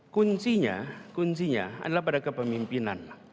kuncinya kuncinya adalah pada kepemimpinan